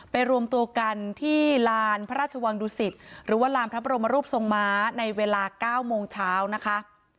รวมตัวกันที่ลานพระราชวังดุสิตหรือว่าลานพระบรมรูปทรงม้าในเวลา๙โมงเช้านะคะ